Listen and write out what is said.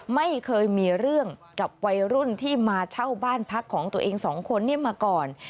ไม่เคยมีเรื่องกับวัยรุ่นที่มาเช่าบ้านพักของตัวเองสองคนนี้มาก่อน